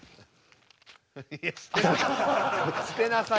捨てなさい。